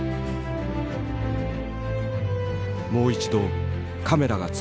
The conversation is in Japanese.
「もう一度カメラが作れる」。